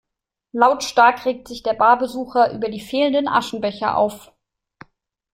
Lautstark regt sich der Barbesucher über die fehlenden Aschenbecher auf.